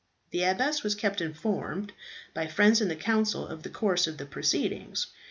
The abbess was kept informed by friends in the council of the course of the proceedings.